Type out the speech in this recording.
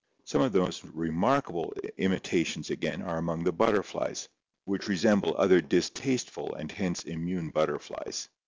Some of the most remarkable imitations, again, are among the butterflies, which resemble other distasteful and hence immune butterflies.